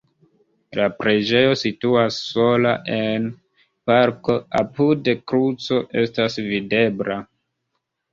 La preĝejo situas sola en parko, apude kruco estas videbla.